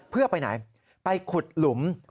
เพื่อไปไหนไปขุดหลุม